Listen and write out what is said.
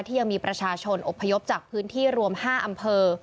ยังมีประชาชนอบพยพจากพื้นที่รวม๕อำเภอ